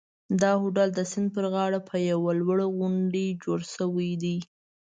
دا هوټل د سیند پر غاړه په یوه لوړه غونډۍ جوړ شوی دی.